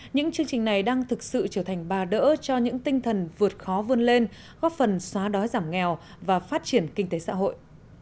những chương trình này đang thực sự trở thành bà đỡ cho những tinh thần vượt khó vươn lên góp phần xóa đói giảm nghèo và phát triển kinh tế xã hội